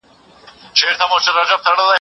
درسونه لوستل کړه.